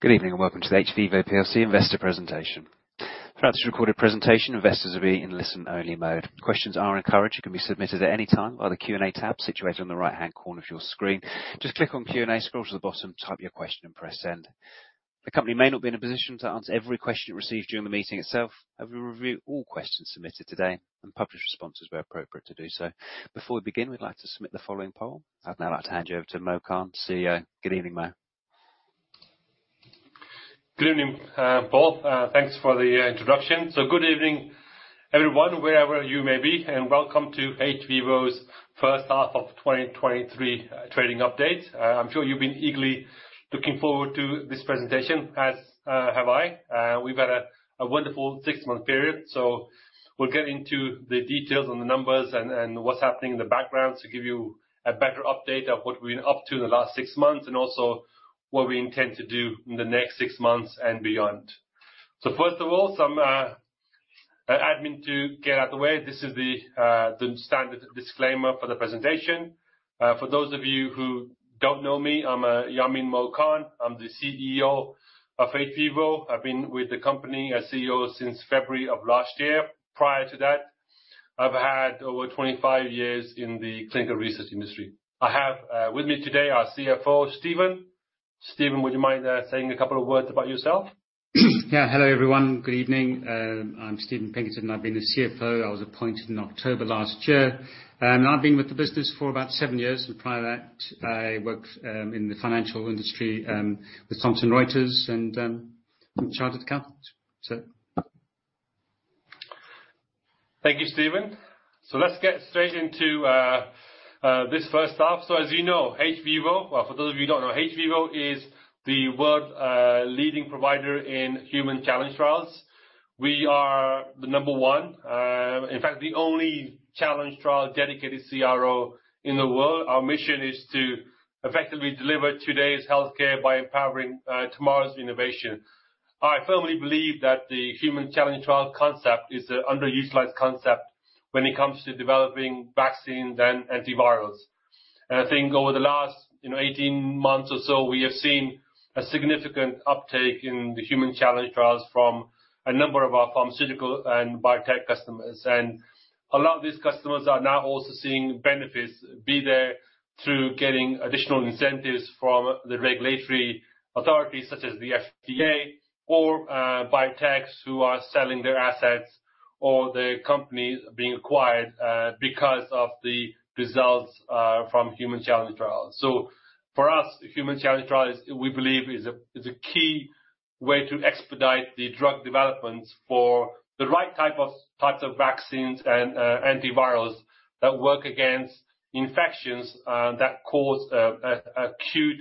Good evening, and welcome to the hVIVO PLC Investor Presentation. Throughout this recorded presentation, investors will be in listen-only mode. Questions are encouraged and can be submitted at any time via the Q&A tab situated on the right-hand corner of your screen. Just click on Q&A, scroll to the bottom, type your question, and press Send. The company may not be in a position to answer every question received during the meeting itself, but we review all questions submitted today and publish responses where appropriate to do so. Before we begin, we'd like to submit the following poll. I'd now like to hand you over to Yamin Khan, CEO. Good evening, Mo. Good evening, Paul. Thanks for the introduction. Good evening, everyone, wherever you may be, and welcome to hVIVO's First Half of 2023 Trading Update. I'm sure you've been eagerly looking forward to this presentation, as have I. We've had a wonderful six-month period, we'll get into the details on the numbers and what's happening in the background to give you a better update of what we've been up to in the last six months, and also what we intend to do in the next six months and beyond. First of all, some admin to get out the way. This is the standard disclaimer for the presentation. For those of you who don't know me, I'm Yamin Khan. I'm the CEO of hVIVO. I've been with the company as CEO since February of last year. Prior to that, I've had over 25 years in the clinical research industry. I have with me today our CFO, Stephen. Stephen, would you mind saying a couple of words about yourself? Yeah. Hello, everyone. Good evening. I'm Stephen Pinkerton, I've been the CFO. I was appointed in October last year, I've been with the business for about seven years. Prior to that, I worked in the financial industry, with Thomson Reuters and Chartered Capital. Thank you, Stephen. Let's get straight into this first half. Well, for those of you who don't know, hVIVO is the world leading provider in human challenge trials. We are the number 1, in fact, the only challenge trial-dedicated CRO in the world. Our mission is to effectively deliver today's healthcare by empowering tomorrow's innovation. I firmly believe that the human challenge trial concept is an underutilized concept when it comes to developing vaccines and antivirals. I think over the last 18 months or so, we have seen a significant uptake in the human challenge trials from a number of our pharmaceutical and biotech customers. A lot of these customers are now also seeing benefits, be there through getting additional incentives from the regulatory authorities such as the FDA or biotechs who are selling their assets, or the company being acquired because of the results from human challenge trials. For us, the human challenge trials, we believe, is a key way to expedite the drug development for the right types of vaccines and antivirals that work against infections that cause a acute,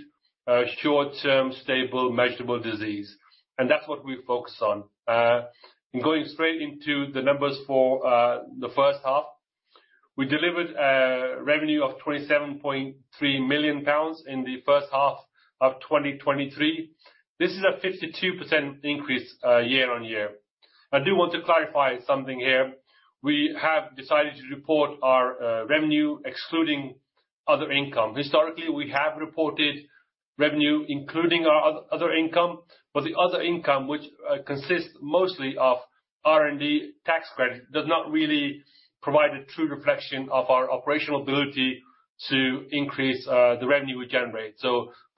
short-term, stable, measurable disease. That's what we focus on. Going straight into the numbers for the first half. We delivered a revenue of 27.3 million pounds in the first half of 2023. This is a 52% increase year-on-year. I do want to clarify something here. We have decided to report our revenue, excluding other income. Historically, we have reported revenue, including our other income, but the other income, which consists mostly of R&D tax credit, does not really provide a true reflection of our operational ability to increase the revenue we generate.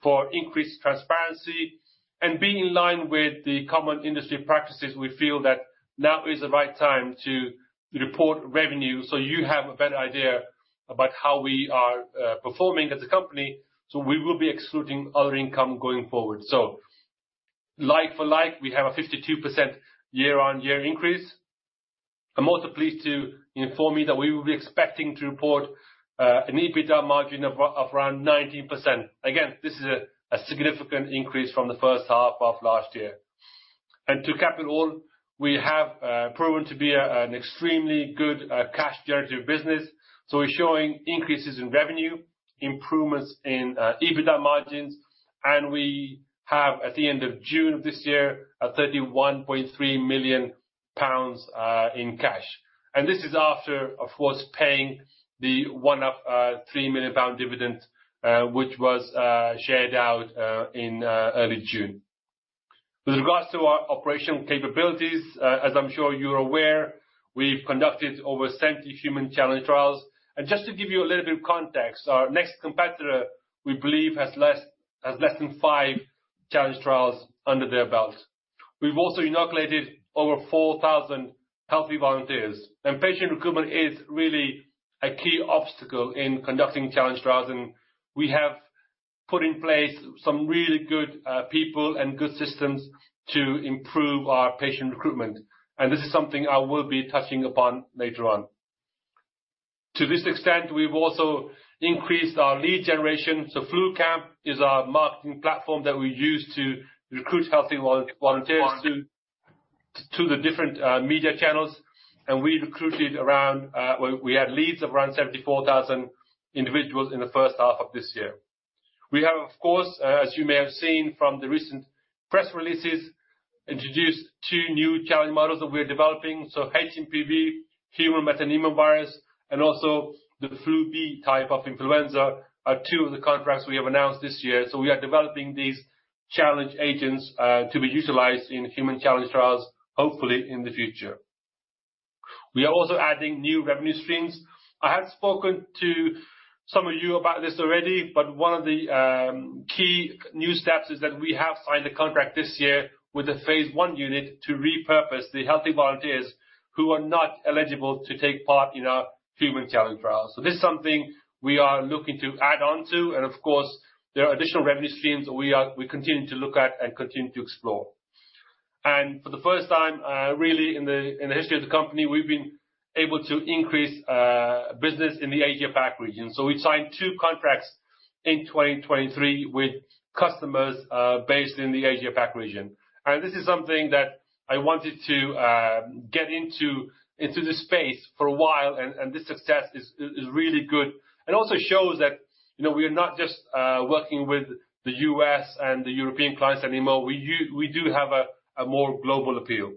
For increased transparency and being in line with the common industry practices, we feel that now is the right time to report revenue so you have a better idea about how we are performing as a company. We will be excluding other income going forward. Like for like, we have a 52% year-on-year increase. I'm also pleased to inform you that we will be expecting to report an EBITDA margin of around 19%. Again, this is a significant increase from the first half of last year. To cap it all, we have proven to be an extremely good cash-generative business. We're showing increases in revenue, improvements in EBITDA margins, and we have, at the end of June of this year, 31.3 million pounds in cash. This is after, of course, paying the one-off 3 million pound dividend, which was shared out in early June. With regards to our operational capabilities, as I'm sure you're aware, we've conducted over 70 human challenge trials. Just to give you a little bit of context, our next competitor, we believe, has less than 5 challenge trials under their belt. We've also inoculated over 4,000 healthy volunteers. Patient recruitment is really a key obstacle in conducting challenge trials, and we have put in place some really good people and good systems to improve our patient recruitment. This is something I will be touching upon later on. To this extent, we've also increased our lead generation. FluCamp is our marketing platform that we use to recruit healthy volunteers to the different media channels. We recruited around, we had leads of around 74,000 individuals in the first half of this year. We have, of course, as you may have seen from the recent press releases, introduced two new challenge models that we are developing. hMPV, human metapneumovirus, and also the Flu B type of influenza, are two of the contracts we have announced this year. We are developing these challenge agents to be utilized in human challenge trials, hopefully in the future. We are also adding new revenue streams. I have spoken to some of you about this already, but one of the key new steps is that we have signed a contract this year with a phase 1 unit to repurpose the healthy volunteers who are not eligible to take part in our human challenge trials. This is something we are looking to add on to, and of course, there are additional revenue streams that we continue to look at and continue to explore. For the first time, really, in the history of the company, we've been able to increase business in the Asia Pac region. We signed 2 contracts in 2023 with customers based in the Asia Pac region. This is something that I wanted to get into this space for a while, and this success is really good. Also shows that, you know, we are not just working with the U.S. and the European clients anymore. We do have a more global appeal.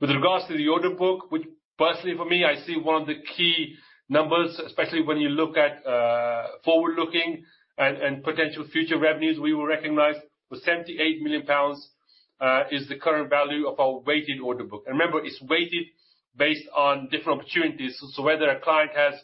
With regards to the order book, which personally for me, I see one of the key numbers, especially when you look at forward-looking and potential future revenues we will recognize, the 78 million pounds is the current value of our weighted order book. Remember, it's weighted based on different opportunities. Whether a client has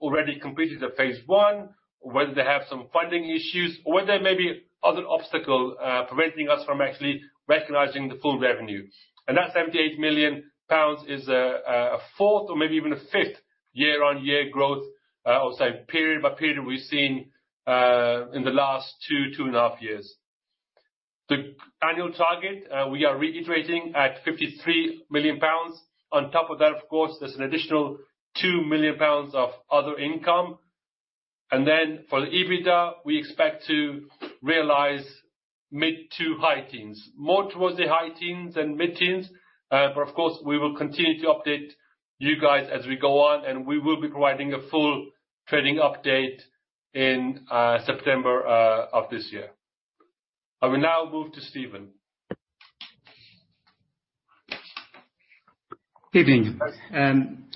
already completed a phase 1, or whether they have some funding issues, or whether there may be other obstacle preventing us from actually recognizing the full revenue. That 78 million pounds is a fourth or maybe even a fifth year-on-year growth, or sorry, period-by-period we've seen in the last two and a half years. The annual target we are reiterating at 53 million pounds. On top of that, of course, there's an additional 2 million pounds of other income. For the EBITDA, we expect to realize mid to high teens. More towards the high teens than mid-teens, but of course, we will continue to update you guys as we go on, and we will be providing a full trading update in September of this year. I will now move to Stephen. Good evening.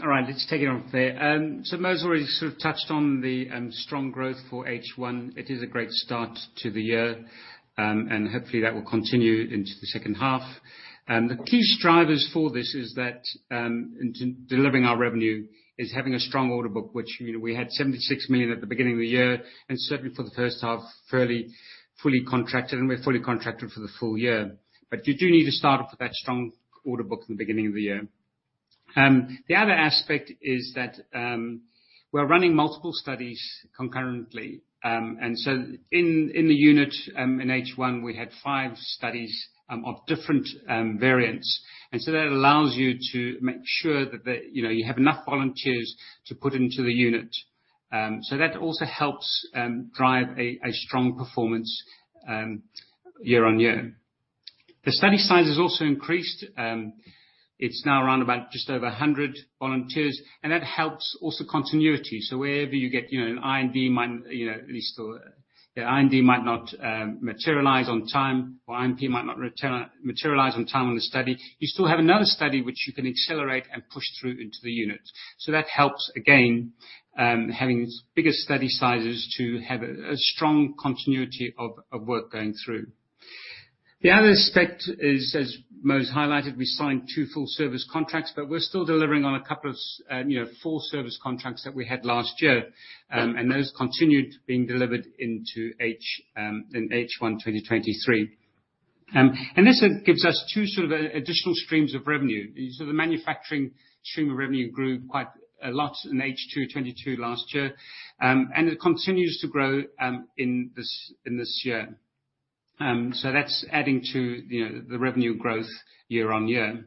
All right, let's take it from there. Mo has already sort of touched on the strong growth for H1. It is a great start to the year, and hopefully, that will continue into the second half. The key drivers for this is that, in delivering our revenue, is having a strong order book, which, you know, we had 76 million at the beginning of the year, and certainly for the first half, fairly, fully contracted, and we're fully contracted for the full year. You do need to start off with that strong order book in the beginning of the year. The other aspect is that, we're running multiple studies concurrently. In the unit, in H1, we had five studies, of different variants. That allows you to make sure that the. You know, you have enough volunteers to put into the unit. That also helps drive a strong performance year-on-year. The study size has also increased. It's now around about just over 100 volunteers, and that helps also continuity. Wherever you get, you know, IND might not materialize on time on the study, you still have another study which you can accelerate and push through into the unit. That helps, again, having bigger study sizes to have a strong continuity of work going through. The other aspect is, as Mo has highlighted, we signed two full service contracts, but we're still delivering on a couple of, you know, full service contracts that we had last year. Those continued being delivered into H1 2023. This gives us two sort of additional streams of revenue. The manufacturing stream of revenue grew quite a lot in H2 2022 last year, and it continues to grow in this year. That's adding to, you know, the revenue growth year-on-year.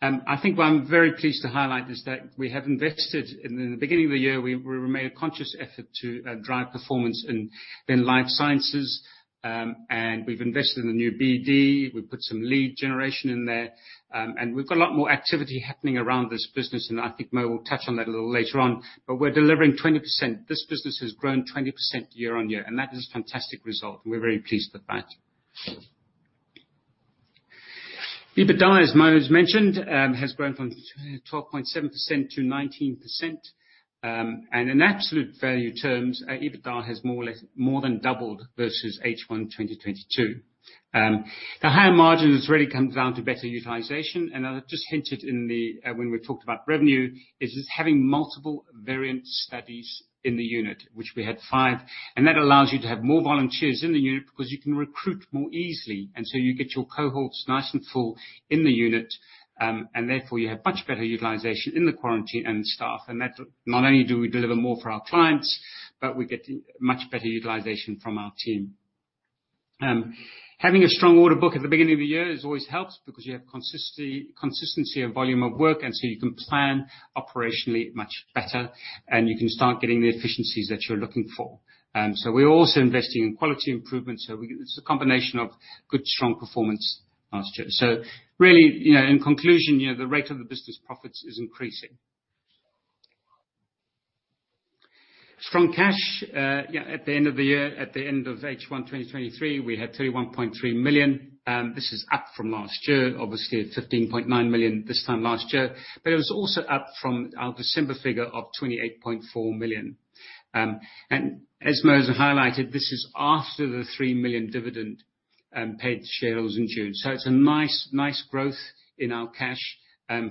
I think what I'm very pleased to highlight is that we have invested... In the beginning of the year, we made a conscious effort to drive performance in life sciences, and we've invested in a new BD, we've put some lead generation in there, and we've got a lot more activity happening around this business, and I think Mo will touch on that a little later on, but we're delivering 20%. This business has grown 20% year-on-year, and that is a fantastic result, and we're very pleased with that. EBITDA, as Mo has mentioned, has grown from 12.7% to 19%, and in absolute value terms, EBITDA has more or less, more than doubled versus H1 2022. The higher margin has really come down to better utilization, and I just hinted in the when we talked about revenue, is just having multiple variant studies in the unit, which we had 5, and that allows you to have more volunteers in the unit, because you can recruit more easily, and so you get your cohorts nice and full in the unit, and therefore you have much better utilization in the quarantine and staff. That, not only do we deliver more for our clients, but we get much better utilization from our team. Having a strong order book at the beginning of the year has always helped, because you have consistency of volume of work, and so you can plan operationally much better, and you can start getting the efficiencies that you're looking for. We're also investing in quality improvement, it's a combination of good, strong performance last year. Really, you know, the rate of the business profits is increasing. Strong cash, at the end of the year, at the end of H1 2023, we had 31.3 million. This is up from last year, obviously at 15.9 million this time last year. It was also up from our December figure of 28.4 million. As Mo has highlighted, this is after the 3 million dividend paid to shareholders in June. It's a nice growth in our cash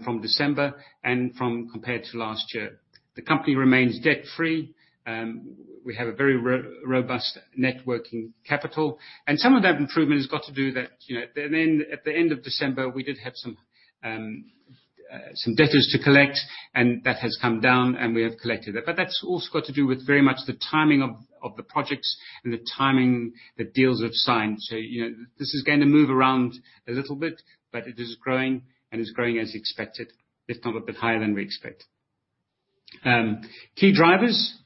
from December and from compared to last year. The company remains debt-free. We have a very robust net working capital, some of that improvement has got to do that, you know, at the end of December, we did have some debtors to collect, that has come down, and we have collected it. That's also got to do with very much the timing of the projects and the timing that deals have signed. You know, this is going to move around a little bit, but it is growing, and it's growing as expected, if not a bit higher than we expect. Key drivers.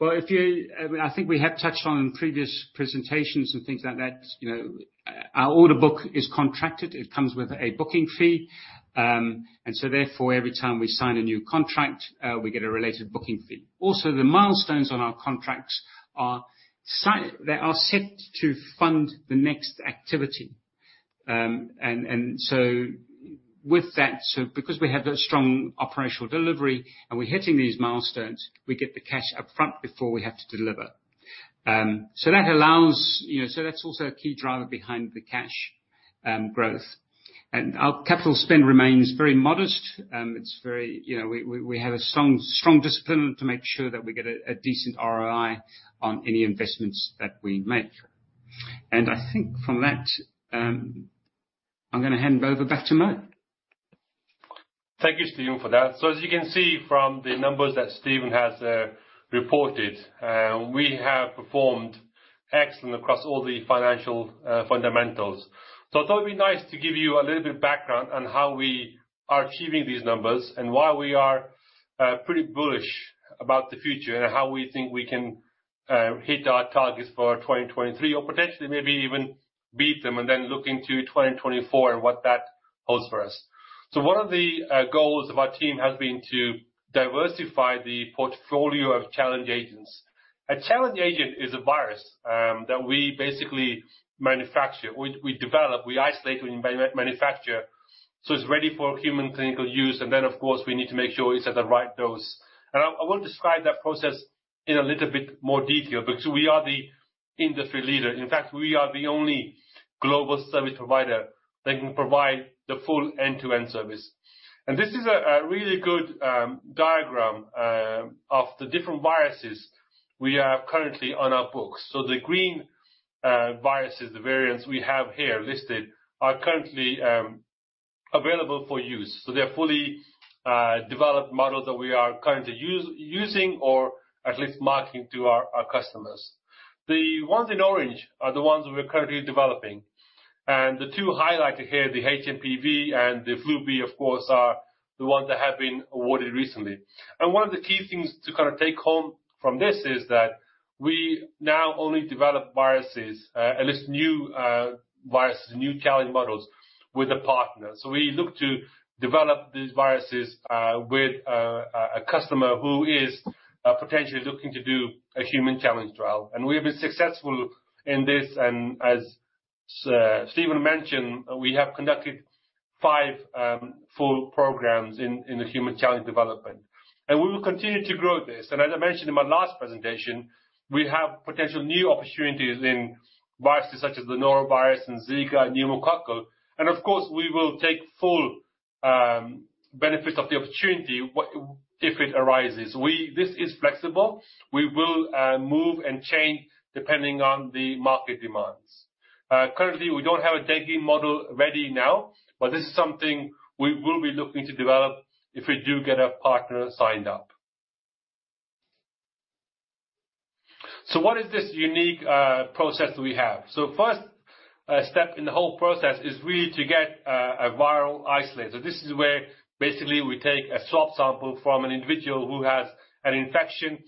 I think we have touched on in previous presentations and things like that, you know, our order book is contracted. It comes with a booking fee. So therefore, every time we sign a new contract, we get a related booking fee. Also, the milestones on our contracts are they are set to fund the next activity. So with that, because we have a strong operational delivery and we're hitting these milestones, we get the cash upfront before we have to deliver. So that allows, you know, that's also a key driver behind the cash growth. Our capital spend remains very modest. It's very, you know, we have a strong discipline to make sure that we get a decent ROI on any investments that we make. I think from that, I'm gonna hand over back to Mo. Thank you, Stephen, for that. As you can see from the numbers that Stephen has reported, we have performed excellent across all the financial fundamentals. I thought it'd be nice to give you a little bit of background on how we are achieving these numbers and why we are pretty bullish about the future and how we think we can hit our targets for 2023 or potentially maybe even beat them, then look into 2024 and what that holds for us. One of the goals of our team has been to diversify the portfolio of challenge agents. A challenge agent is a virus that we basically manufacture. We develop, we isolate and manufacture, so it's ready for human clinical use. Then, of course, we need to make sure it's at the right dose. I want to describe that process in a little bit more detail because we are the industry leader. In fact, we are the only global service provider that can provide the full end-to-end service. This is a really good diagram of the different viruses we have currently on our books. The green viruses, the variants we have here listed, are currently available for use. They're fully developed models that we are currently using or at least marketing to our customers. The ones in orange are the ones we're currently developing, and the two highlighted here, the hMPV and the Flu B, of course, are the ones that have been awarded recently. One of the key things to kind of take home from this is that we now only develop viruses, at least new viruses, new challenge models with a partner. We look to develop these viruses with a customer who is potentially looking to do a human challenge trial. We have been successful in this, and as Stephen mentioned, we have conducted five full programs in the human challenge development, and we will continue to grow this. As I mentioned in my last presentation, we have potential new opportunities in viruses such as the norovirus and Zika and pneumococcal. Of course, we will take full benefit of the opportunity if it arises. This is flexible. We will move and change depending on the market demands. Currently, we don't have a dengue model ready now. This is something we will be looking to develop if we do get a partner signed up. What is this unique process we have? First, step in the whole process is really to get a viral isolate. This is where basically we take a swab sample from an individual who has an infection.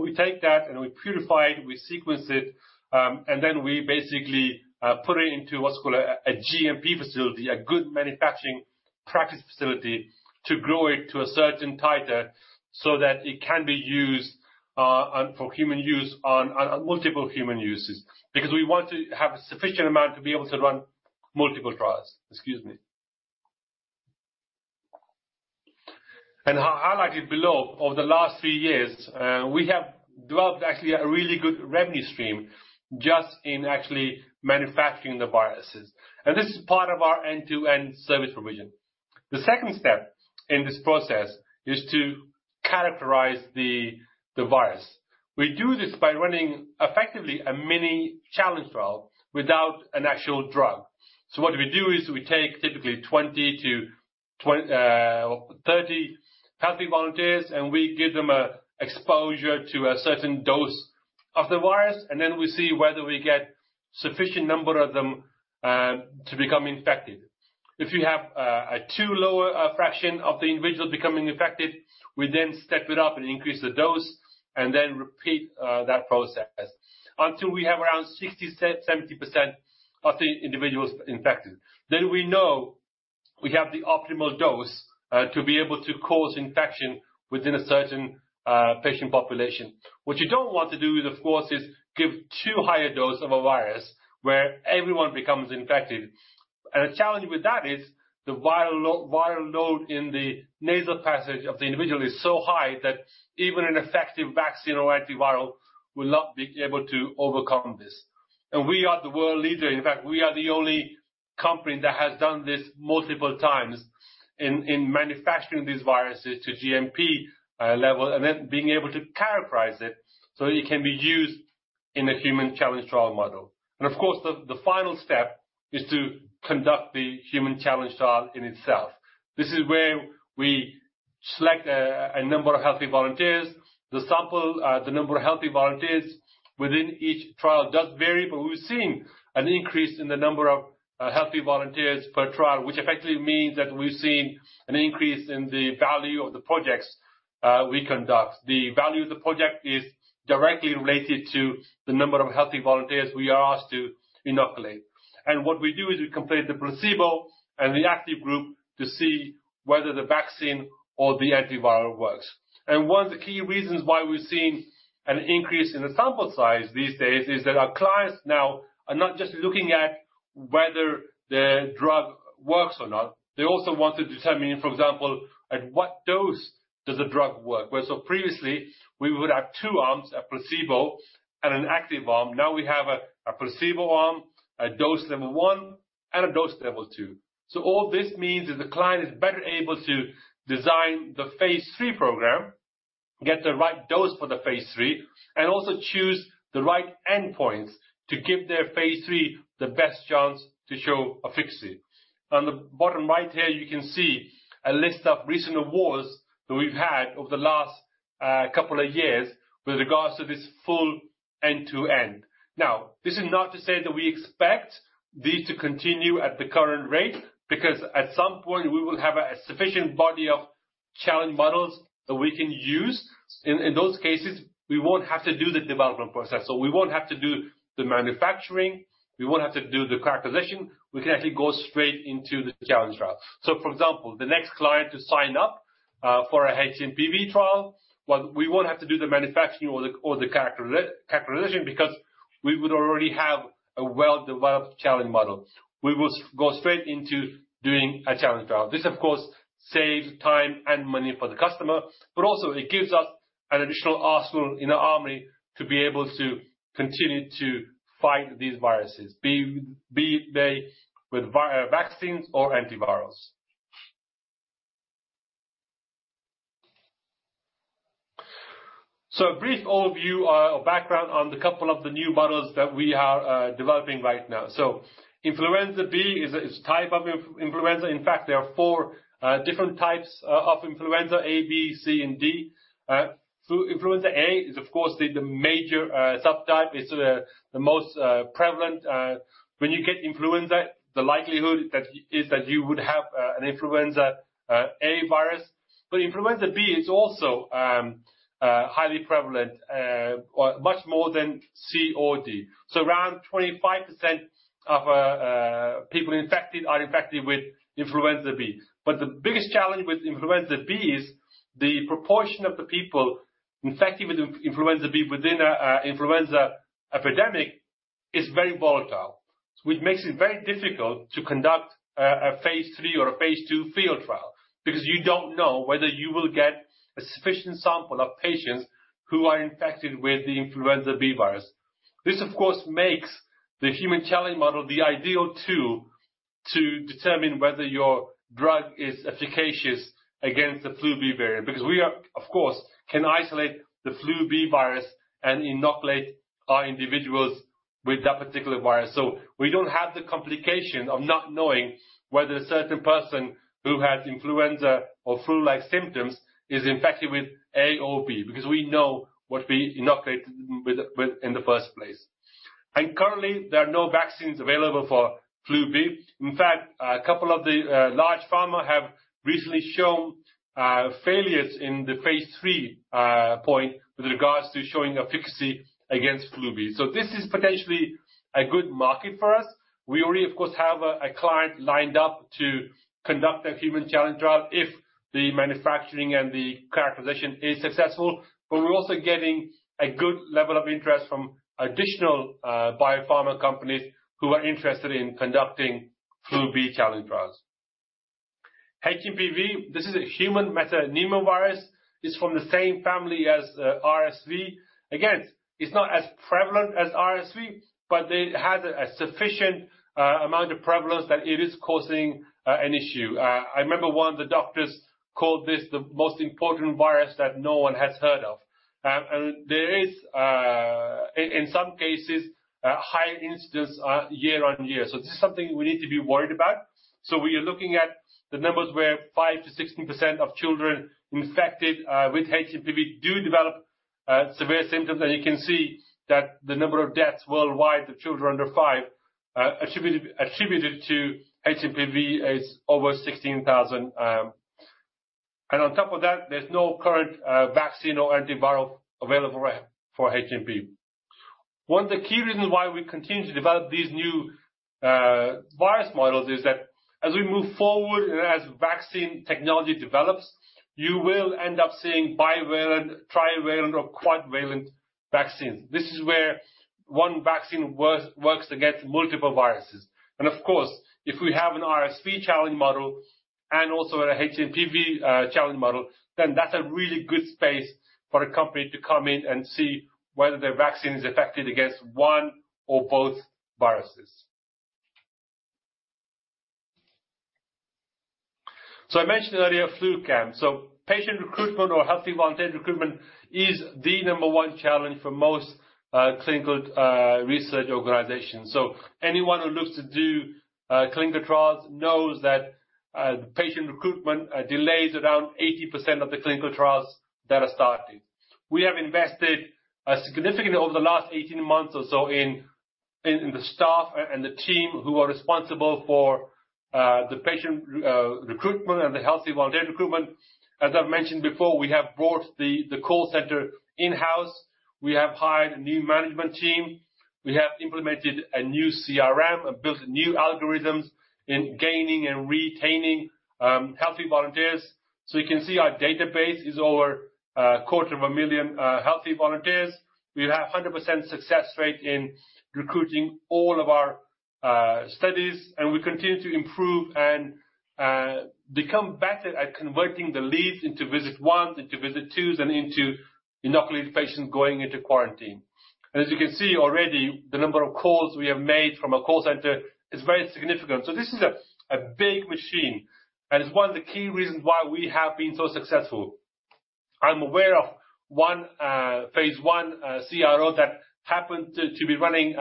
We take that, we purify it, we sequence it, then we basically put it into what's called a GMP facility, a good manufacturing practice facility, to grow it to a certain titer so that it can be used for human use on multiple human uses. Because we want to have a sufficient amount to be able to run multiple trials. Excuse me. Highlighted below, over the last 3 years, we have developed actually a really good revenue stream just in actually manufacturing the viruses. The second step in this process is to characterize the virus. We do this by running, effectively, a mini challenge trial without an actual drug. What we do is we take typically 20 to 30 healthy volunteers, and we give them a exposure to a certain dose of the virus, and then we see whether we get sufficient number of them to become infected. If you have a too low fraction of the individuals becoming infected, we then step it up and increase the dose. Then repeat that process until we have around 60%-70% of the individuals infected. We know we have the optimal dose to be able to cause infection within a certain patient population. What you don't want to do, of course, is give too high a dose of a virus where everyone becomes infected. The challenge with that is the viral load in the nasal passage of the individual is so high that even an effective vaccine or antiviral will not be able to overcome this. We are the world leader. In fact, we are the only company that has done this multiple times in manufacturing these viruses to GMP level, and then being able to characterize it so it can be used in a human challenge trial model. Of course, the final step is to conduct the human challenge trial in itself. This is where we select a number of healthy volunteers. The sample, the number of healthy volunteers within each trial does vary, but we're seeing an increase in the number of healthy volunteers per trial, which effectively means that we're seeing an increase in the value of the projects we conduct. The value of the project is directly related to the number of healthy volunteers we are asked to inoculate. What we do is we complete the placebo and the active group to see whether the vaccine or the antiviral works. One of the key reasons why we're seeing an increase in the sample size these days, is that our clients now are not just looking at whether the drug works or not. They also want to determine, for example, at what dose does the drug work? Whereas so previously, we would have two arms, a placebo and an active arm. We have a placebo arm, a dose level 1, and a dose level 2. All this means is the client is better able to design the phase three program, get the right dose for the phase three, and also choose the right endpoints to give their phase three the best chance to show efficacy. On the bottom right here, you can see a list of recent awards that we've had over the last couple of years with regards to this full end-to-end. This is not to say that we expect these to continue at the current rate, because at some point we will have a sufficient body of challenge models that we can use. In those cases, we won't have to do the development process. We won't have to do the manufacturing, we won't have to do the characterization, we can actually go straight into the challenge trial. For example, the next client to sign up for a hMPV trial, well, we won't have to do the manufacturing or the characterization because we would already have a well-developed challenge model. We will go straight into doing a challenge trial. This, of course, saves time and money for the customer, but also it gives us an additional arsenal in our army to be able to continue to fight these viruses, be they with vaccines or antivirals. A brief overview or background on the couple of the new models that we are developing right now. Influenza B is a type of influenza. In fact, there are 4 different types of Influenza A, B, C, and D. Influenza A is, of course, the major subtype, it's the most prevalent. When you get influenza, the likelihood is that you would have an Influenza A virus. But Influenza B is also highly prevalent, or much more than C or D. Around 25% of people infected are infected with Influenza B. But the biggest challenge with Influenza B is the proportion of the people infected with Influenza B within a influenza epidemic is very volatile, which makes it very difficult to conduct a phase 3 or a phase 2 field trial, because you don't know whether you will get a sufficient sample of patients who are infected with the Influenza B virus. This, of course, makes the human challenge model the ideal tool to determine whether your drug is efficacious against the Flu B variant, because we are, of course, can isolate the Flu B virus and inoculate our individuals with that particular virus. We don't have the complication of not knowing whether a certain person who has influenza or flu-like symptoms is infected with A or B, because we know what we inoculated with in the first place. Currently, there are no vaccines available for Flu B. In fact, a couple of the large pharma have recently shown failures in the phase 3 point with regards to showing efficacy against Flu B. This is potentially a good market for us. We already, of course, have a client lined up to conduct a human challenge trial if the manufacturing and the characterization is successful. We're also getting a good level of interest from additional biopharma companies who are interested in conducting Flu B challenge trials. hMPV, this is a human metapneumovirus, is from the same family as RSV. It's not as prevalent as RSV. It has a sufficient amount of prevalence that it is causing an issue. I remember one of the doctors called this the most important virus that no one has heard of. There is, in some cases, high incidence year on year. This is something we need to be worried about. We are looking at the numbers where 5%-16% of children infected with hMPV do develop severe symptoms. You can see that the number of deaths worldwide of children under 5 attributed to hMPV is over 16,000. On top of that, there's no current vaccine or antiviral available right, for hMPV. One of the key reasons why we continue to develop these new virus models is that as we move forward and as vaccine technology develops, you will end up seeing bivalent, trivalent, or quadrivalent vaccines. This is where one vaccine works against multiple viruses. Of course, if we have an RSV challenge model and also a hMPV challenge model, then that's a really good space for a company to come in and see whether their vaccine is effective against one or both viruses. I mentioned earlier FluCamp. Patient recruitment or healthy volunteer recruitment is the number one challenge for most clinical research organizations. Anyone who looks to do clinical trials knows that patient recruitment delays around 80% of the clinical trials that are starting. We have invested significantly over the last 18 months or so in the staff and the team who are responsible for the patient recruitment and the healthy volunteer recruitment. As I've mentioned before, we have brought the call center in-house. We have hired a new management team. We have implemented a new CRM and built new algorithms in gaining and retaining healthy volunteers. You can see our database is over a quarter of a million healthy volunteers. We have 100% success rate in recruiting all of our studies, and we continue to improve and become better at converting the leads into visit 1, into visit 2s, and into inoculated patients going into quarantine. As you can see already, the number of calls we have made from our call center is very significant. This is a big machine, and it's one of the key reasons why we have been so successful. I'm aware of one phase I CRO that happened to be running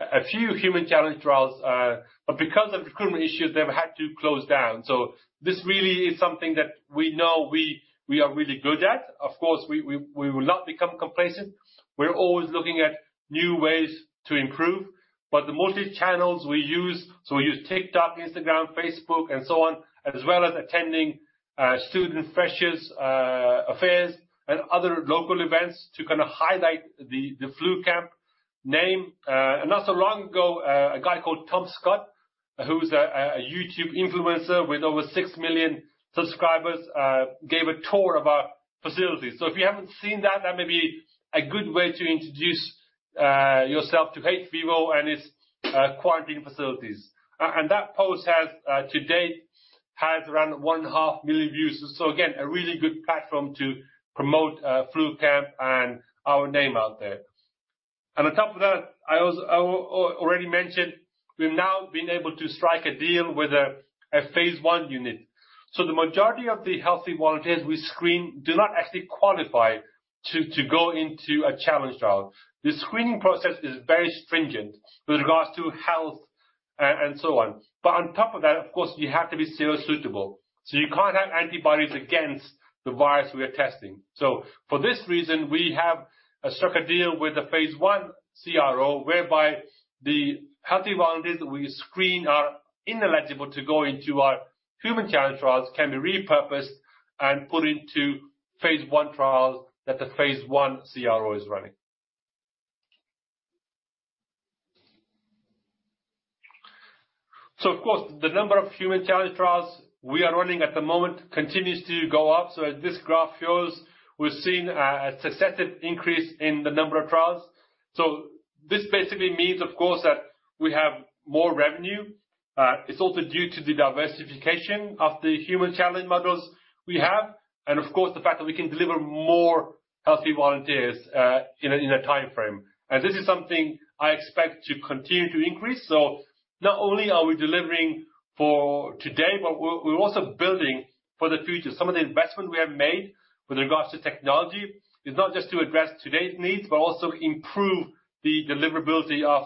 a few human challenge trials, but because of recruitment issues, they've had to close down. This really is something that we know we are really good at. Of course, we will not become complacent. We're always looking at new ways to improve, the multi channels we use, we use TikTok, Instagram, Facebook, and so on, as well as attending student freshers affairs and other local events to kind of highlight the FluCamp name. Not so long ago, a guy called Tom Scott, who's a YouTube influencer with over 6 million subscribers, gave a tour of our facilities. If you haven't seen that may be a good way to introduce yourself to hVIVO and its quarantine facilities. That post has to date had around 1.5 million views. Again, a really good platform to promote FluCamp and our name out there. On top of that, I also... I already mentioned, we've now been able to strike a deal with a phase 1 unit. The majority of the healthy volunteers we screen do not actually qualify to go into a challenge trial. The screening process is very stringent with regards to health and so on. On top of that, of course, you have to be serosuitable, so you can't have antibodies against the virus we are testing. For this reason, we have struck a deal with a phase 1 CRO, whereby the healthy volunteers we screen are ineligible to go into our human challenge trials, can be repurposed and put into phase 1 trials that the phase 1 CRO is running. Of course, the number of human challenge trials we are running at the moment continues to go up. As this graph shows, we've seen a successive increase in the number of trials. This basically means, of course, that we have more revenue. It's also due to the diversification of the human challenge models we have, and of course, the fact that we can deliver more healthy volunteers in a time frame. This is something I expect to continue to increase. Not only are we delivering for today, but we're also building for the future. Some of the investments we have made with regards to technology is not just to address today's needs, but also improve the deliverability of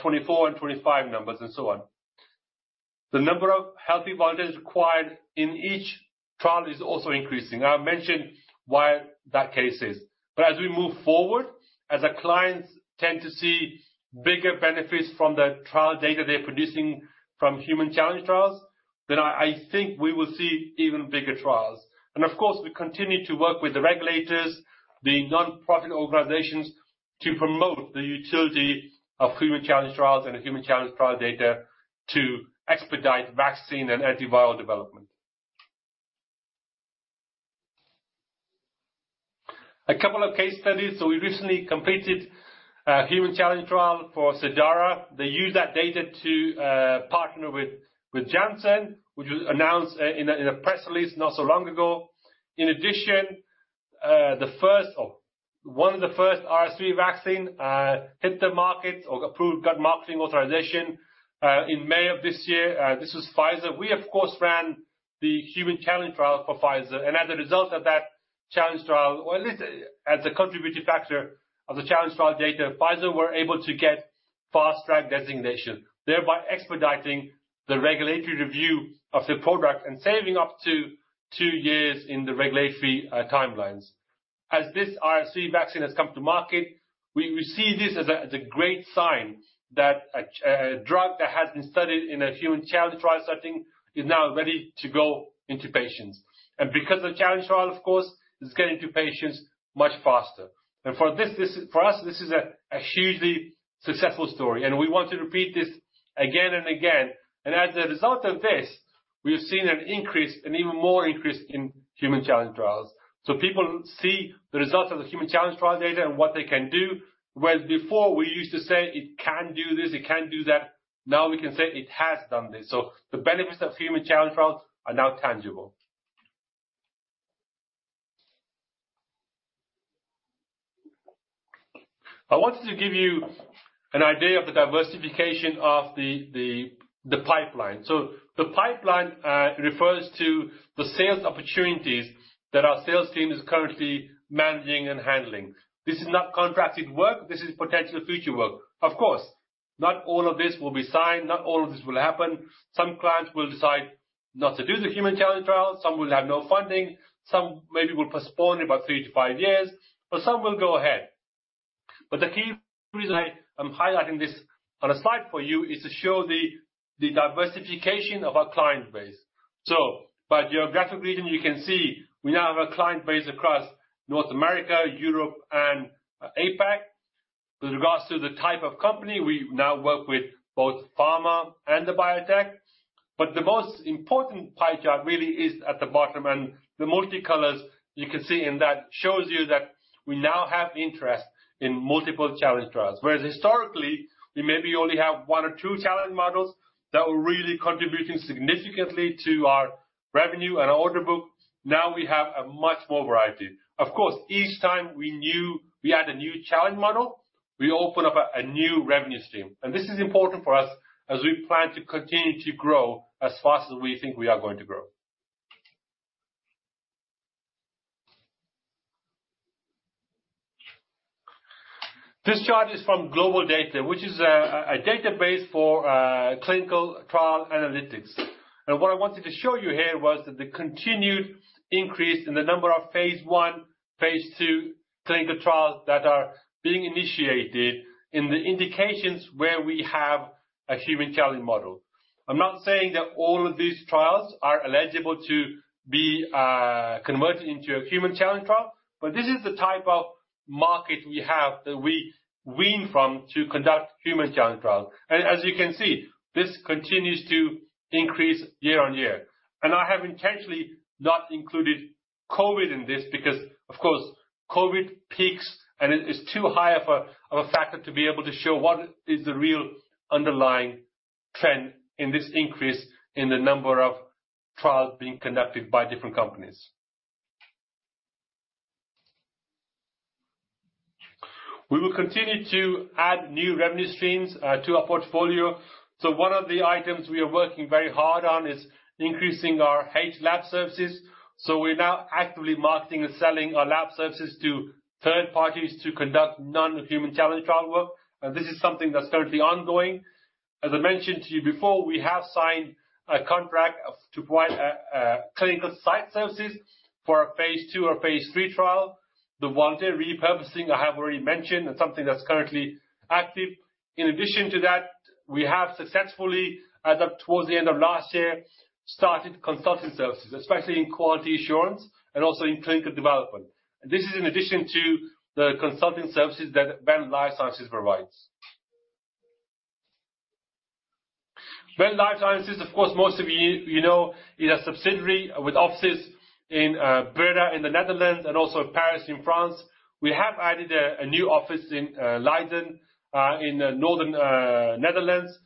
24 and 25 numbers and so on. The number of healthy volunteers required in each trial is also increasing. I mentioned why that case is. As we move forward, as our clients tend to see bigger benefits from the trial data they're producing from human challenge trials, then I think we will see even bigger trials. Of course, we continue to work with the regulators, the nonprofit organizations, to promote the utility of human challenge trials and the human challenge trial data to expedite vaccine and antiviral development. A couple of case studies. We recently completed a human challenge trial for Cidara. They used that data to partner with Janssen, which was announced in a press release not so long ago. In addition, the first or one of the first RSV vaccine hit the market or approved, got marketing authorization in May of this year. This was Pfizer. We, of course, ran the human challenge trial for Pfizer. As a result of that challenge trial, or at least as a contributing factor of the challenge trial data, Pfizer were able to get Fast Track designation, thereby expediting the regulatory review of their product and saving up to 2 years in the regulatory timelines. As this RSV vaccine has come to market, we see this as a great sign that a drug that has been studied in a human challenge trial setting is now ready to go into patients. Because the challenge trial, of course, is getting to patients much faster. For this, for us, this is a hugely successful story, and we want to repeat this again and again. As a result of this, we've seen an even more increase in human challenge trials. People see the results of the human challenge trial data and what they can do, whereas before we used to say, It can do this, it can do that, now we can say, It has done this. The benefits of human challenge trials are now tangible. I wanted to give you an idea of the diversification of the pipeline. The pipeline refers to the sales opportunities that our sales team is currently managing and handling. This is not contracted work, this is potential future work. Of course, not all of this will be signed, not all of this will happen. Some clients will decide not to do the human challenge trial, some will have no funding, some maybe will postpone about 3-5 years, but some will go ahead. The key reason I am highlighting this on a slide for you is to show the diversification of our client base. By geographical region, you can see we now have a client base across North America, Europe, and APAC. With regards to the type of company, we now work with both pharma and the biotech. The most important pie chart really is at the bottom, and the multi colors you can see in that shows you that we now have interest in multiple challenge trials. Whereas historically, we maybe only have one or two challenge models that were really contributing significantly to our revenue and order book, now we have a much more variety. Of course, each time we knew we add a new challenge model, we open up a new revenue stream. This is important for us as we plan to continue to grow as fast as we think we are going to grow. This chart is from GlobalData, which is a database for clinical trial analytics. What I wanted to show you here was that the continued increase in the number of phase I, phase II clinical trials that are being initiated in the indications where we have a human challenge model. I'm not saying that all of these trials are eligible to be converted into a human challenge trial, but this is the type of market we have that we wean from to conduct human challenge trial. As you can see, this continues to increase year-over-year. I have intentionally not included COVID in this, because, of course, COVID peaks, and it is too high of a factor to be able to show what is the real underlying trend in this increase in the number of trials being conducted by different companies. We will continue to add new revenue streams to our portfolio. One of the items we are working very hard on is increasing our hVIVO lab services. We're now actively marketing and selling our lab services to third parties to conduct non-human challenge trial work, and this is something that's currently ongoing. As I mentioned to you before, we have signed a contract to provide clinical site services for a phase two or phase three trial. The voluntary repurposing, I have already mentioned, and something that's currently active. In addition to that, we have successfully, as of towards the end of last year, started consulting services, especially in quality assurance and also in clinical development. This is in addition to the consulting services that Venn Life Sciences provides. Venn Life Sciences, of course, most of you know, is a subsidiary with offices in Breda, in the Netherlands, and also Paris, in France. We have added a new office in Leiden, in northern Netherlands,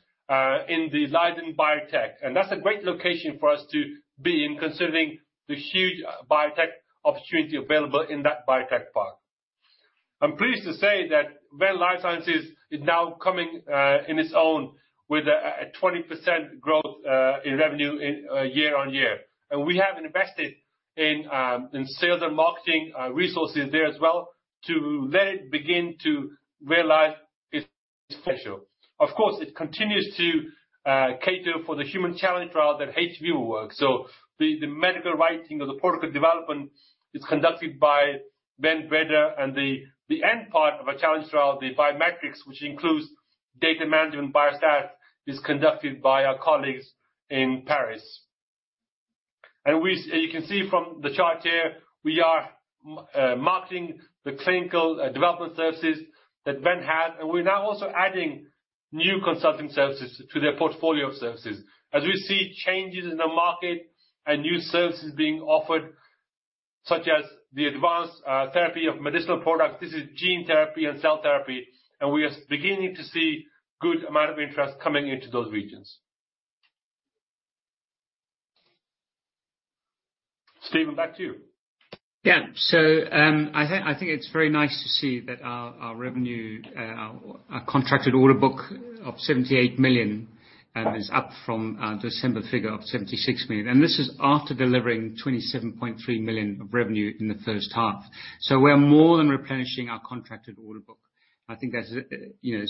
in the Leiden Biotech. That's a great location for us to be in, considering the huge biotech opportunity available in that biotech park. I'm pleased to say that Venn Life Sciences is now coming in its own with a 20% growth in revenue in year-on-year. We have invested in sales and marketing resources there as well, to let it begin to realize its potential. Of course, it continues to cater for the human challenge trial that HV will work. The medical writing of the protocol development is conducted by Ven Breda, and the end part of a challenge trial, the biometrics, which includes data management and biostat, is conducted by our colleagues in Paris. You can see from the chart here, we are marketing the clinical development services that Ven has, and we're now also adding new consulting services to their portfolio of services. As we see changes in the market and new services being offered, such as the Advanced Therapy Medicinal Products, this is gene therapy and cell therapy, and we are beginning to see good amount of interest coming into those regions. Stephen, back to you. Yeah. I think it's very nice to see that our revenue, our contracted order book of 78 million, is up from our December figure of 76 million. This is after delivering 27.3 million of revenue in the first half. We're more than replenishing our contracted order book. I think that's, you know.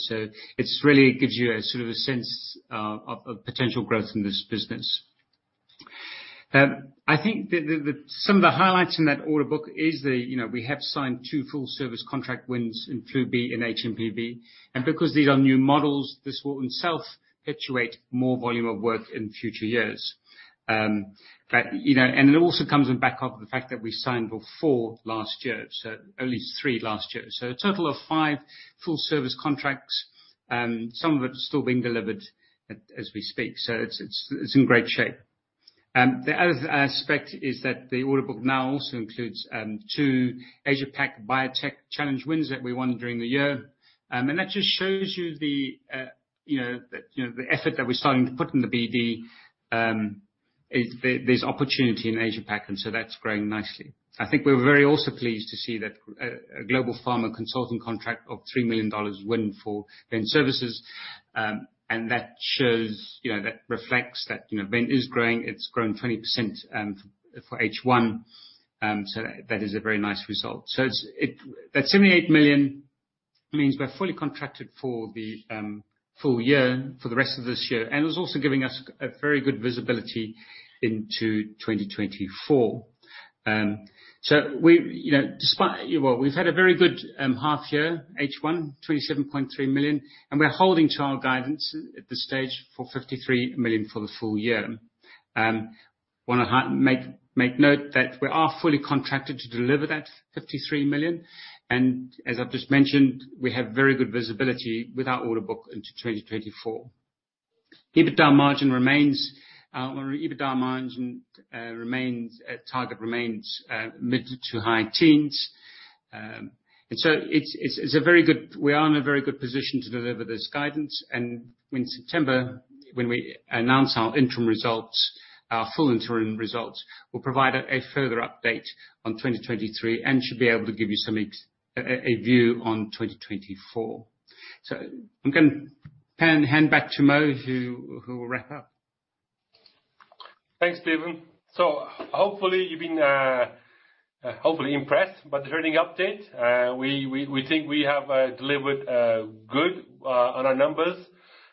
It really gives you a sort of a sense of potential growth in this business. I think some of the highlights in that order book is, you know, we have signed two full service contract wins in Flu B and hMPV. Because these are new models, this will in itself perpetuate more volume of work in future years. you know, it also comes on back of the fact that we signed before last year, so at least 3 last year. A total of 5 full service contracts, some of it is still being delivered as we speak, so it's in great shape. The other aspect is that the order book now also includes 2 Asia Pac biotech challenge wins that we won during the year. That just shows you the, you know, the, you know, the effort that we're starting to put in the BD is there's opportunity in Asia Pac, that's growing nicely. I think we're very also pleased to see that a global pharma consulting contract of $3 million won for Venn services, that shows, you know, that reflects that, you know, Venn is growing. It's grown 20% for H1, that is a very nice result. That 78 million means we're fully contracted for the full year, for the rest of this year, and it's also giving us a very good visibility into 2024. You know, despite... Well, we've had a very good half year, H1, 27.3 million, and we're holding to our guidance at this stage for 53 million for the full year. Wanna make note that we are fully contracted to deliver that 53 million, and as I've just mentioned, we have very good visibility with our order book into 2024. EBITDA margin remains target remains mid to high teens. We are in a very good position to deliver this guidance. In September, when we announce our interim results, our full interim results, we'll provide a further update on 2023. Should be able to give you a view on 2024. I'm gonna hand back to Mo, who will wrap up. Thanks, Stephen. Hopefully you've been hopefully impressed by the trading update. We think we have delivered good on our numbers,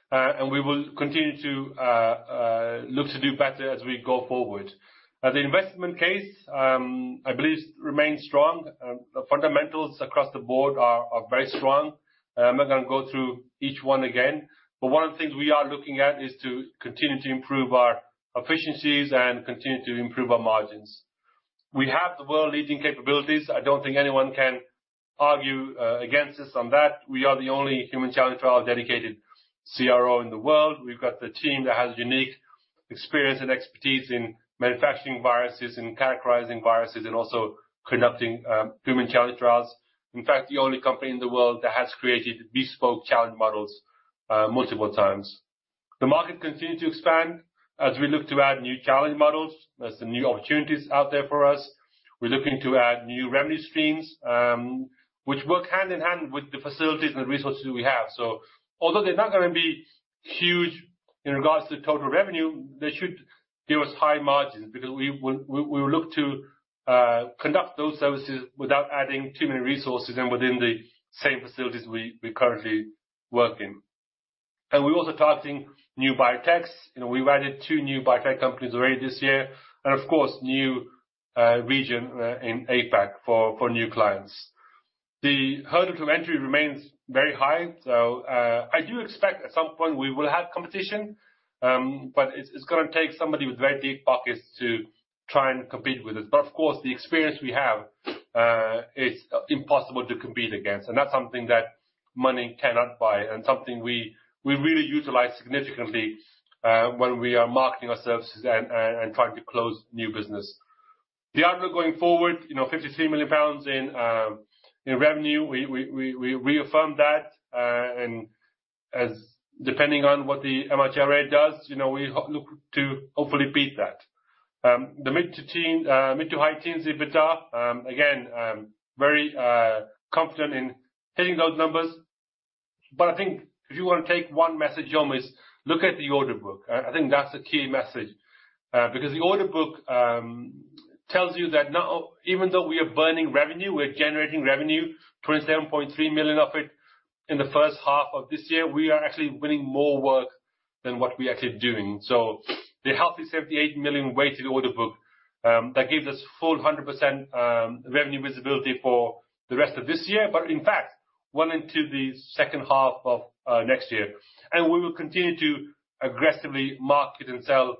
and we will continue to look to do better as we go forward. The investment case, I believe remains strong. The fundamentals across the board are very strong. I'm not gonna go through each one again, but one of the things we are looking at is to continue to improve our efficiencies and continue to improve our margins. We have the world-leading capabilities. I don't think anyone can argue against us on that. We are the only human challenge trial dedicated CRO in the world. We've got the team that has unique experience and expertise in manufacturing viruses and characterizing viruses, and also conducting human challenge trials. In fact, the only company in the world that has created bespoke challenge models, multiple times. The market continued to expand as we look to add new challenge models. There's some new opportunities out there for us. We're looking to add new revenue streams, which work hand-in-hand with the facilities and the resources we have. Although they're not gonna be huge in regards to total revenue, they should give us high margins, because we will look to conduct those services without adding too many resources, and within the same facilities we currently work in. We're also targeting new biotechs. You know, we've added 2 new biotech companies already this year, and of course, new region in APAC for new clients. The hurdle to entry remains very high. I do expect at some point we will have competition, but it's gonna take somebody with very deep pockets to try and compete with us. Of course, the experience we have is impossible to compete against, and that's something that money cannot buy, and something we really utilize significantly when we are marketing our services and trying to close new business. The outlook going forward, you know, 53 million pounds in revenue, we reaffirmed that. Depending on what the MHRA does, you know, we look to hopefully beat that. The mid to teen, mid to high teens EBITDA, again, I'm very confident in hitting those numbers. I think if you were to take one message home is, look at the order book. I think that's the key message because the order book tells you that now, even though we are burning revenue, we're generating revenue, 27.3 million of it, in the first half of this year, we are actually winning more work than what we are actually doing. The healthy 78 million weighted order book that gives us full 100% revenue visibility for the rest of this year, but in fact, well into the second half of next year. We will continue to aggressively market and sell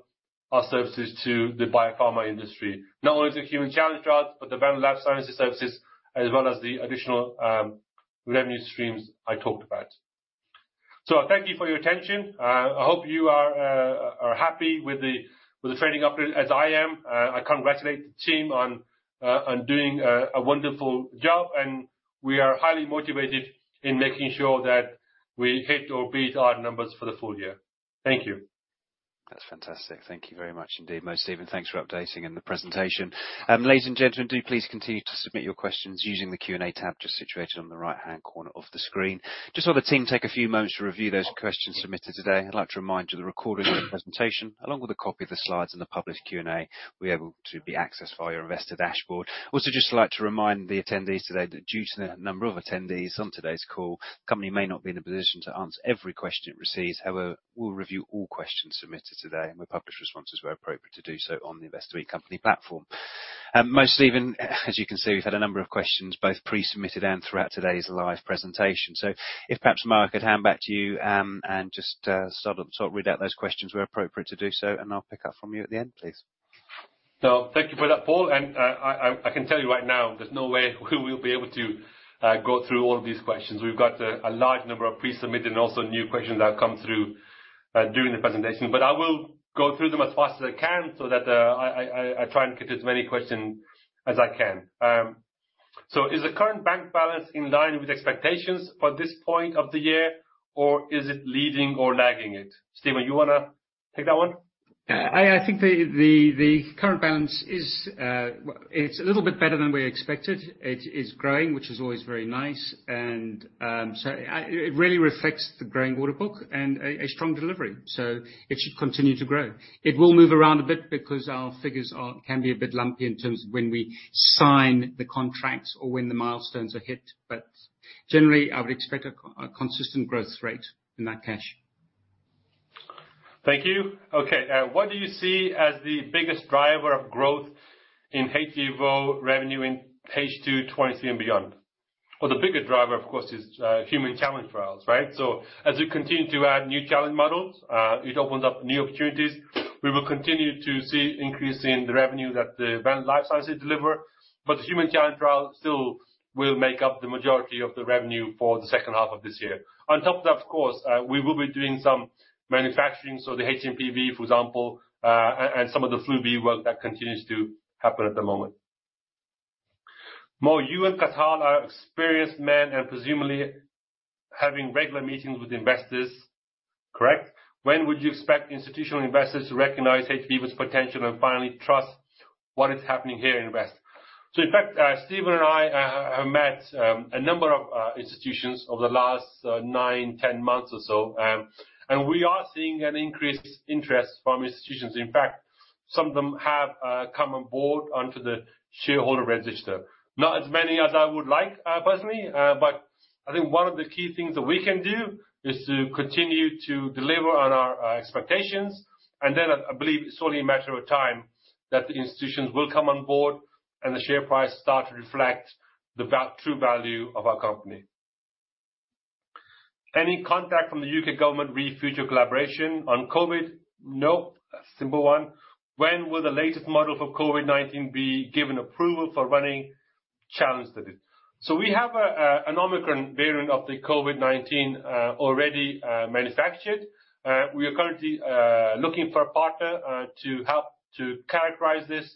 our services to the biopharma industry, not only the human challenge trials, but the lab sciences services, as well as the additional revenue streams I talked about. I thank you for your attention. I hope you are happy with the trading update as I am. I congratulate the team on doing a wonderful job. We are highly motivated in making sure that we hit or beat our numbers for the full year. Thank you. That's fantastic. Thank you very much indeed, Mo, Stephen, thanks for updating and the presentation. Ladies and gentlemen, do please continue to submit your questions using the Q&A tab just situated on the right-hand corner of the screen. Just while the team take a few moments to review those questions submitted today, I'd like to remind you the recording of the presentation, along with a copy of the slides and the published Q&A.... We're able to be accessed via your investor dashboard. Just like to remind the attendees today that due to the number of attendees on today's call, company may not be in a position to answer every question it receives. We'll review all questions submitted today, and we'll publish responses where appropriate to do so on the Investor Meet Company platform. Mo, Stephen, as you can see, we've had a number of questions, both pre-submitted and throughout today's live presentation. If perhaps, Mark, I'd hand back to you, and just, sort of, read out those questions where appropriate to do so, and I'll pick up from you at the end, please. Thank you for that, Paul. I, I can tell you right now, there's no way we will be able to go through all of these questions. We've got a large number of pre-submitted and also new questions that come through during the presentation. I will go through them as fast as I can so that I, I try and get as many question as I can. Is the current bank balance in line with expectations for this point of the year, or is it leading or lagging it? Stephen, you wanna take that one? Yeah. I think the current balance is, well, it's a little bit better than we expected. It is growing, which is always very nice. It really reflects the growing order book and a strong delivery, so it should continue to grow. It will move around a bit because our figures can be a bit lumpy in terms of when we sign the contracts or when the milestones are hit. Generally, I would expect a consistent growth rate in that cash. Thank you. Okay, what do you see as the biggest driver of growth in hVIVO revenue in H2 2023 and beyond? The biggest driver, of course, is human challenge trials, right? As we continue to add new challenge models, it opens up new opportunities. We will continue to see increase in the revenue that the current life sciences deliver, but the human challenge trial still will make up the majority of the revenue for the second half of this year. On top of that, of course, we will be doing some manufacturing, so the hMPV, for example, and some of the FLU-v work that continues to happen at the moment. Mo, you and Cathal are experienced men and presumably having regular meetings with investors, correct? When would you expect institutional investors to recognize hVIVO's potential and finally trust what is happening here and invest? In fact, Stephen and I have met a number of institutions over the last 9, 10 months or so, we are seeing an increased interest from institutions. In fact, some of them have come on board onto the shareholder register. Not as many as I would like personally, I think one of the key things that we can do is to continue to deliver on our expectations, I believe it's only a matter of time that the institutions will come on board, the share price start to reflect the true value of our company. Any contact from the UK government re future collaboration on COVID? No. A simple one: When will the latest model for COVID-19 be given approval for running challenge studies? We have an Omicron variant of the COVID-19 already manufactured. We are currently looking for a partner to help to characterize this